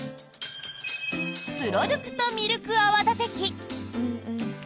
プロドゥクトミルク泡立て器。